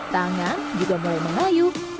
tangan juga mulai mengayu